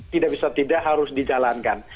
tidak bisa tidak harus dijalankan